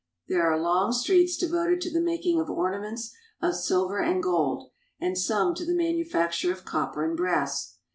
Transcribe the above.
There are long streets devoted to the making of ornaments of silver and gold, and some to the manufacture of copper and brass.